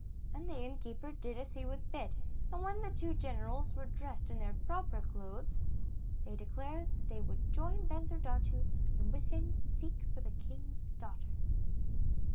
And the innkeeper did as he was bid, and when the two generals were dressed in their proper clothes, they declared they would join Bensurdatu, and with him seek for the king's daughters.